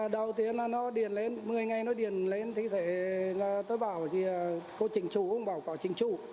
đầu tiên là nó điền lên một mươi ngày nó điền lên thì thế là tôi bảo thì cô chỉnh chủ không bảo có chỉnh chủ